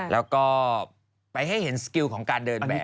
แล้วก็ไปให้เห็นสกิลของการเดินแบบ